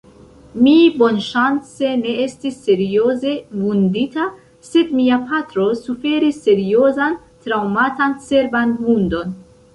Mi bonŝance ne estis serioze vundita, sed mia patro suferis seriozan traŭmatan cerban vundon.